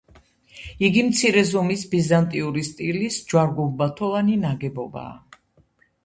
იგი მცირე ზომის ბიზანტიური სტილის ჯვარ-გუმბათოვანი ნაგებობაა.